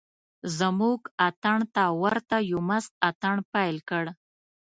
زموږ اتڼ ته ورته یو مست اتڼ پیل کړ.